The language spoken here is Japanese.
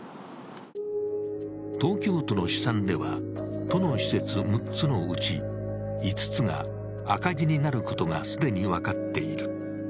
東京都の試算では、都の施設６つのうち５つが赤字になることが既に分かっている。